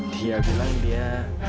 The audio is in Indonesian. dia bilang dia